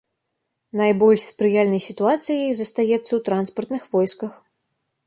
Найбольш спрыяльнай сітуацыяй застаецца ў транспартных войсках.